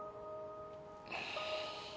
うん。